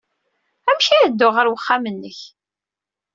Amek ara dduɣ ɣer uxxam-nnek?